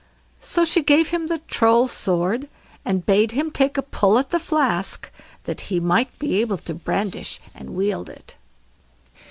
So she gave him the Troll's sword, and bade him take a pull at the flask, that he might be able to brandish and wield it.